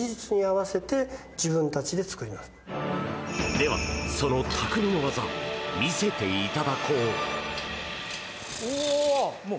では、そのたくみの技見せていただこう！